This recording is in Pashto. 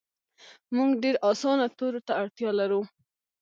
مونږ ډیر اسانه تورو ته اړتیا لرو